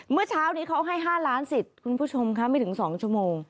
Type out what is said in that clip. เมื่อเช้านี้เขาให้๕ล้านสิทธิ์คุณผู้ชมคะไม่ถึง๒ชั่วโมง